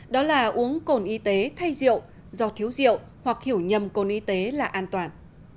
đó là uống cồn y tế thay rượu do thiếu rượu hoặc hiểu nhầm cồn y tế là an toàn